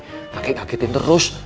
nggak kekagetin terus